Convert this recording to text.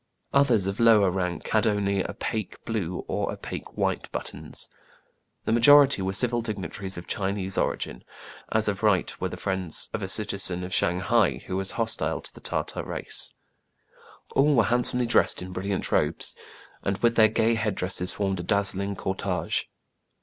Others of lower rank had only opaque blue or opaque white buttons. The majority were civil dignitaries of Chinese ori gin, as of right were the friends of a citizen of A SURPRISE FOR KIN FO, 171 Shang hai who was hostile to the Tartar race. All were handsomely dressed in brilliant robes, and with their gay head dresses formed a dazzling cor tege.